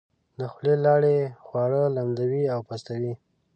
د خولې لاړې خواړه لمدوي او پستوي.